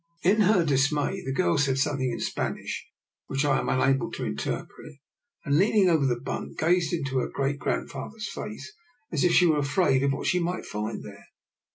In her dismay the girl said something in Spanish which I am unable to interpret, and leaning over the bunk, gazed into her great grandfa ther's face as if she were afraid of what she might find there.